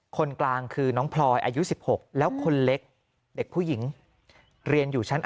คนกลางคือน้องพลอยอายุ๑๖แล้วคนเล็กเด็กผู้หญิงเรียนอยู่ชั้น๘